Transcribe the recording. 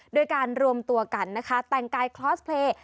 โดยการรวมตัวกันนะคะแต่งกายคลอสเพลย์